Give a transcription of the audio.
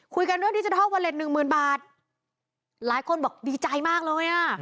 คุยกันเรื่องดิจิทัลวอเล็ตหนึ่งหมื่นบาทหลายคนบอกดีใจมากเลยอ่ะ